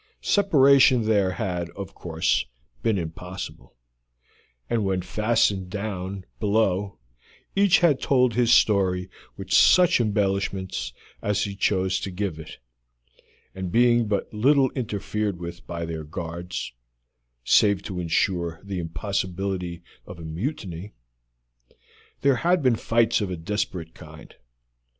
Separation there had, of course, been impossible, and when fastened down below each had told his story with such embellishments as he chose to give it, and being but little interfered with by their guards, save to insure the impossibility of a mutiny, there had been fights of a desperate kind.